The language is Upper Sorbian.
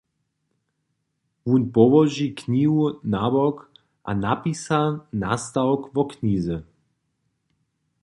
Wón połoži knihu nabok a napisa nastawk wo knize.